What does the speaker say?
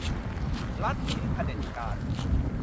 ลัทธิเผด็จการ